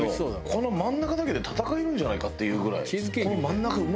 この真ん中だけで戦えるんじゃないかっていうぐらい。